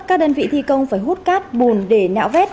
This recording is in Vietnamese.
các đơn vị thi công phải hút cát bùn để nạo vét